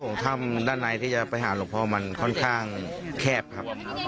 ถ้ำด้านในที่จะไปหาหลวงพ่อมันค่อนข้างแคบครับ